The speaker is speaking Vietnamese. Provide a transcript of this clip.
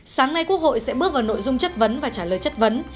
sáng nay quốc hội sẽ bước vào nội dung chất vấn và trả lời chất vấn